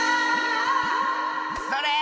それ！